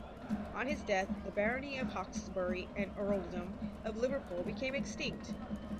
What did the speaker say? On his death the Barony of Hawkesbury and Earldom of Liverpool became extinct.